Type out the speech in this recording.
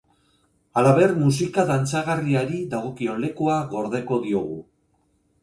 Halaber, musika dantzagarriari dagokion lekua gordeko diogu.